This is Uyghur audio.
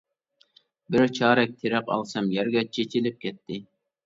بىر چارەك تېرىق ئالسام، يەرگە چېچىلىپ كەتتى.